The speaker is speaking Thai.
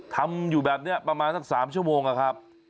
ทำอยู่แบบนี้ประมาณสัก๓ชั่วโมงอะครับ